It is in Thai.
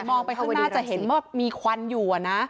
มองไปข้างหน้าจะเห็นว่ามีควันอยู่นะ